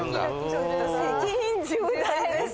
ちょっと責任重大でさ。